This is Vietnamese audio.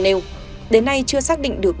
nêu đến nay chưa xác định được